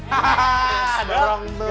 hahaha dorong dulu